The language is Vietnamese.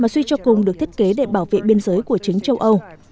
khi cho cùng được thiết kế để bảo vệ biên giới của chính châu âu